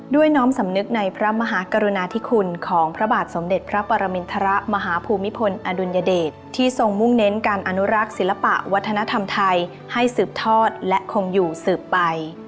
น้อมสำนึกในพระมหากรุณาธิคุณของพระบาทสมเด็จพระปรมินทรมาฮภูมิพลอดุลยเดชที่ทรงมุ่งเน้นการอนุรักษ์ศิลปะวัฒนธรรมไทยให้สืบทอดและคงอยู่สืบไป